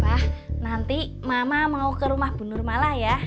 wah nanti mama mau ke rumah bu nur malah ya